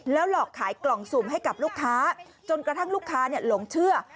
หลอกขายกล่องสุ่มให้กับลูกค้าจนกระทั่งลูกค้าหลงเชื่อ